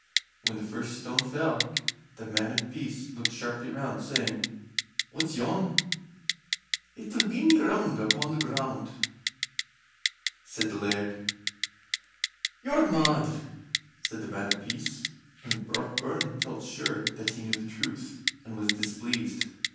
When the first stone fell, the Man of Peace looked sharply round, saying: "What's yon?" "It'll be me striking my rung upon the ground," said the Laird. "You're mad," said the Man of Peace, and Brockburn felt sure that he knew the truth, and was displeased.